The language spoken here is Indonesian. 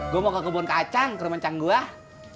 gua mau ke kebun kacang ke rumah cangguah